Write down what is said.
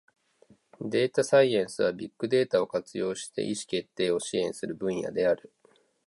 データサイエンスは、ビッグデータを活用して意思決定を支援する分野である。